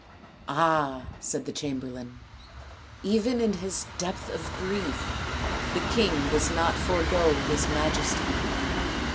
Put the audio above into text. " Ah," said the chamberlain, " even in his depth of grief the king does not forego his majesty.